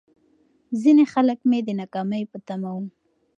ځيني خلک مې د ناکامۍ په تمه وو.